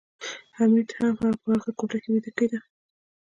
حمید هم په هغه کوټه کې ویده کېده